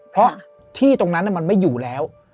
เพราะที่ตรงนั้นมันไม่อยู่แล้ว